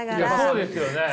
そうですよね！